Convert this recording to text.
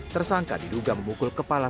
tersangka diduga memukul kepala